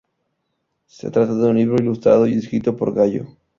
Se trata de un libro ilustrado y escrito por Gallo.